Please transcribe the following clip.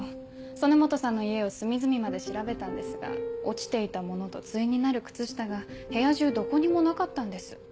曽根本さんの家を隅々まで調べたんですが落ちていたものと対になる靴下が部屋中どこにもなかったんです。